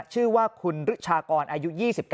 ชื่อว่าคุณริชากรอายุ๒๙